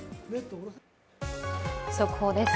速報です。